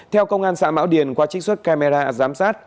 theo công an xã mão điền qua trích xuất camera giám sát